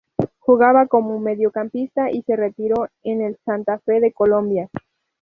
Jugaba como mediocampista y se retiró en el Santa Fe de Colombia.